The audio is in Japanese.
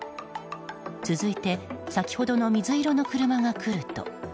続いて先ほどの水色の車が来ると。